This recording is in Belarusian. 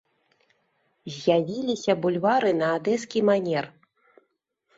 З'явіліся бульвары на адэскі манер.